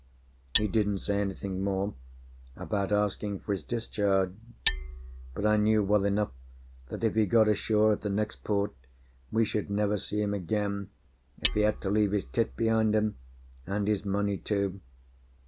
He didn't say anything more about asking for his discharge, but I knew well enough that if he got ashore at the next port we should never see him again, if he had to leave his kit behind him, and his money, too.